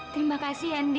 terima kasih yandi